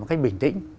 một cách bình tĩnh